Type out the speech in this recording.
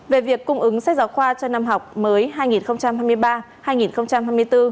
về việc cung ứng sách giáo khoa cho năm học mới hai nghìn hai mươi ba hai nghìn hai mươi bốn